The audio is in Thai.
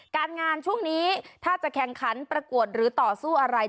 การงานช่วงนี้ถ้าจะแข่งขันประกวดหรือต่อสู้อะไร